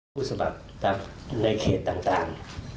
ผู้สมัครในเขตต่าง